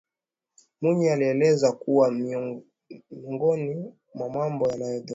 Mwinyi alieleza kuwa ni miongoni mwa mambo yanayodhoofisha misingi ya utawala bora